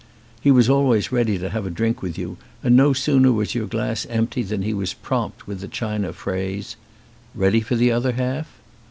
He was always ready to have a drink with you and no sooner was your glass empty than he was prompt with the China phrase: "Ready for the other half?"